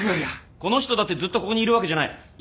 この人だってずっとここにいるわけじゃない。